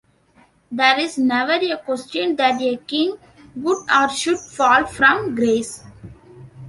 There is never a question that a king could or should fall from grace.